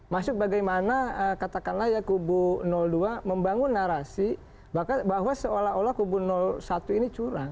masuk bagaimana katakanlah ya kubu dua membangun narasi bahwa seolah olah kubu satu ini curang